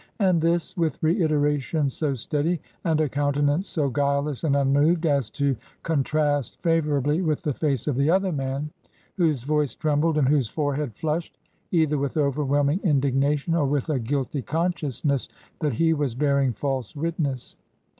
And this with reiteration so steady, and a countenance so guileless and unmoved, as to contrast favorably with the face of the other man, whose voice trembled and whose forehead flushed, either with overwhelming indignation or with a guilty consciousness that he was bearing false witness.